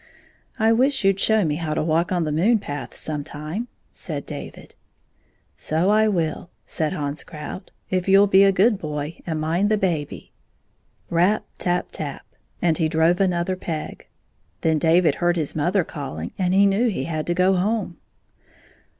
" I wish you 'd show me how to walk on the moon path some time," said David. " So I will," said Hans Krout, " if you '11 be a good boy and mind the baby." Rap tap tap I IQ and he drove another peg. Then David heard his mother caUing, and he knew he had to go home.